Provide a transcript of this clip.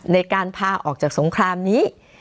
ในการพาออกจากสงครามนี้